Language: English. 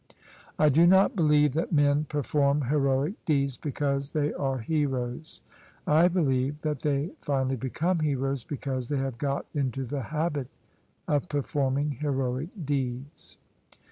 I do not believe that men perform heroic deeds because they are heroes: I believe that they finally become heroes because they have got into the habit of performing heroic deeds.